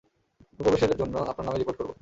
অনুপ্রবেশের জন্য আপনার নামে রিপোর্ট করব।